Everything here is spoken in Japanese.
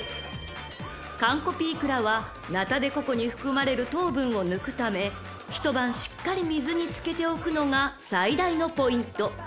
［カンコピイクラはナタデココに含まれる糖分を抜くため一晩しっかり水に漬けておくのが最大のポイント］